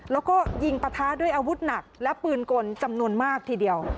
แล้วก็ยิงปะทะด้วยอาวุธหนักและปืนกลจำนวนมากทีเดียว